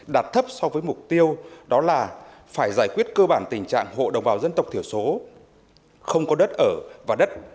đạt thấp so với mục tiêu đó là phải giải quyết cơ bản tình trạng hộ đồng bào dân tộc thiểu số không có đất ở và đất